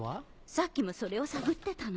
さっきもそれを探ってたの。